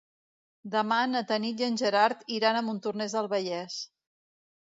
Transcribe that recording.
Demà na Tanit i en Gerard iran a Montornès del Vallès.